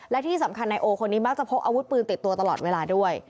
และที่สำคัญนายโอคนนี้มักจะพกอาวุธปืนติดตัวตลอดเวลาด้วย